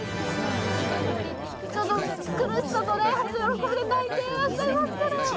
ちょっと苦しさとねホント喜びで泣いていらっしゃいますけど。